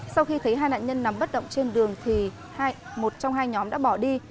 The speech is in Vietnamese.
sau khi thấy hai nạn nhân nằm bất động trên đường thì một trong hai nhóm đã bỏ đi